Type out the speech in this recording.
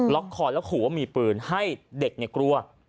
็อกคอแล้วขู่ว่ามีปืนให้เด็กกลัว